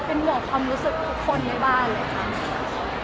เป็นห่วงความรู้สึกทุกคนในบ้านเลยค่ะ